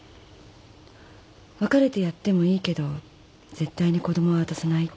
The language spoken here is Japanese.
別れてやってもいいけど絶対に子供は渡さないって。